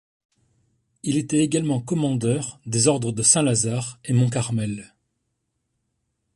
Il était également commandeur des ordres de Saint-Lazare et Mont-Carmel.